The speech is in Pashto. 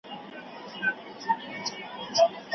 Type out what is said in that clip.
د شاعر ډاګلاس ملوچ یو نظم